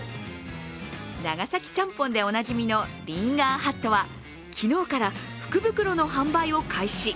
長崎ちゃんぽんでおなじみのリンガーハットは昨日から福袋の販売を開始。